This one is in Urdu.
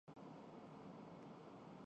یہ کیا ہو گا؟